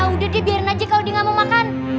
udah deh biarin aja kalau dia gak mau makan